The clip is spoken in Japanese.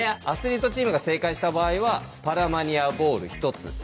アスリートチームが正解した場合はパラマニアボール１つ。